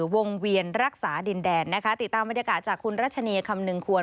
วงเวียนรักษาดินแดนนะคะติดตามบรรยากาศจากคุณรัชนีคำนึงควร